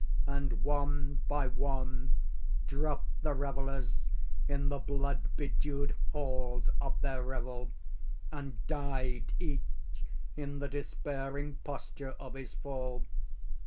And one by one dropped the revellers in the blood bedewed halls of their revel, and died each in the despairing posture of his fall.